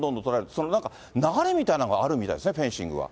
その流れみたいなのがあるんですね、フェンシングは。